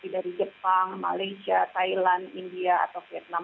dari jepang malaysia thailand india atau vietnam